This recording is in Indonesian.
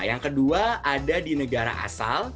yang kedua ada di negara asal